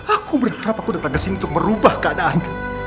aku berharap aku datang kesini untuk merubah keadaan